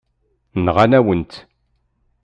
Nɣan-awen-tt.